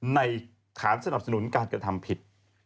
ในฐานสนับสนุนการกระทำผิด